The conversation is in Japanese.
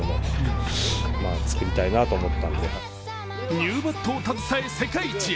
ニューバットを携え世界一へ。